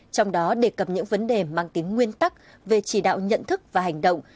trong đó đề cập những vấn đề mang tính nguyên tắc về chỉ đạo nhận thức và hành động